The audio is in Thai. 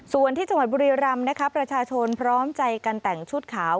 ส่วนที่จังหวัดบุรีรำนะคะประชาชนพร้อมใจกันแต่งชุดขาว